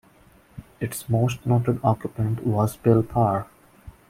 Its most noted occupant was Bill Parr.